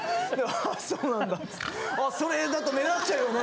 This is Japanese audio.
あそうなんだそれだと目立っちゃうよね。